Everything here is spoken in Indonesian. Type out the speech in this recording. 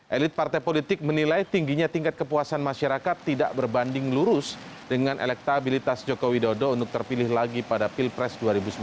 elit partai politik menilai tingginya tingkat kepuasan masyarakat tidak berbanding lurus dengan elektabilitas jokowi dodo untuk terpilih lagi pada pilpres dua ribu sembilan belas